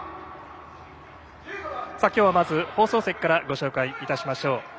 きょうはまず放送席からご紹介しましょう。